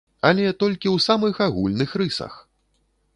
Але толькі ў самых агульных рысах!